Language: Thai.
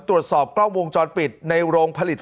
ตรวจสอบกล้องวงจรปิดในโรงผลิต